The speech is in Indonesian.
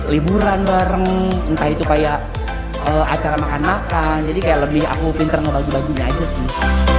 liburan bareng entah itu kayak acara makan makan jadi kayak lebih aku pinter ngebagi baginya aja sih